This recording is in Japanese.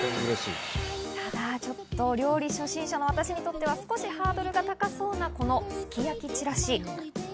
ただ、ちょっと料理初心者の私にとっては少しハードルが高そうな、このすき焼きちらし。